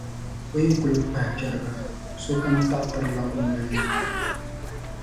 O yi kuli kpahi chɛriga, so kam taɣintirila o nolini.